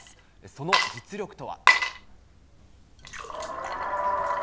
その実力とは。